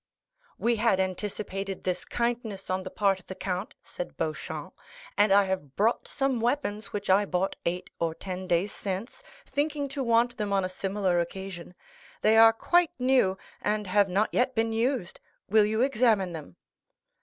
"We had anticipated this kindness on the part of the count," said Beauchamp, "and I have brought some weapons which I bought eight or ten days since, thinking to want them on a similar occasion. They are quite new, and have not yet been used. Will you examine them."